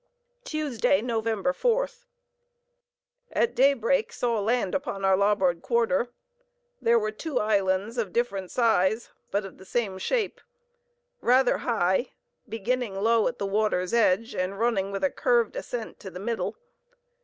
Tuesday Nov. 4th. At daybreak, saw land upon our larboard quarter. There were two islands, of different size, but of the same shape; rather high, beginning low at the water's edge, and running with a curved ascent to the middle.